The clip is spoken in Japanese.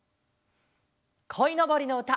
「こいのぼり」のうた